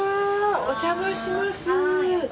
お邪魔します。